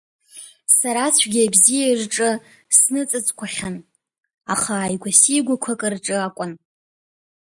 Сара ацәгьеи абзиеи рҿы сныҵыҵқәахьан, аха ааигәасигәақәак рҿы акәын.